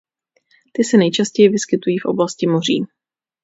Ty se nejčastěji vyskytují v oblasti moří.